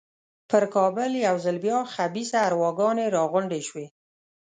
پر کابل یو ځل بیا خبیثه ارواګانې را غونډې شوې.